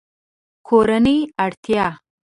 کورنۍ اړتیا